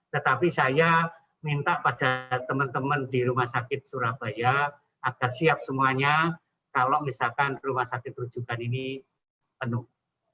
tetapi saya minta pada teman teman di rumah sakit surabaya agar siap semuanya kalau misalkan rumah sakit rujukan ini penuh